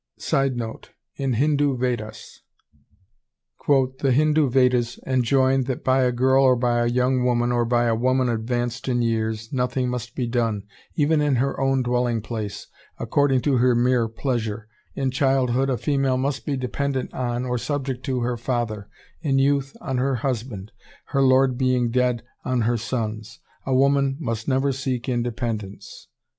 [Sidenote: In Hindu Vedas.] "The Hindu Vedas enjoin that by a girl, or by a young woman, or by a woman advanced in years, nothing must be done, even in her own dwelling place, according to her mere pleasure; in childhood a female must be dependent on (or subject to) her father; in youth, on her husband; her lord being dead, on her sons; a woman must never seek independence."